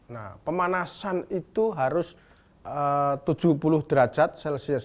nah pemanasan itu harus tujuh puluh derajat celcius